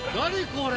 これ。